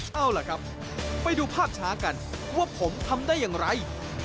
เอาล่ะครับไปดูภาพช้ากันว่าผมทำได้อย่างไร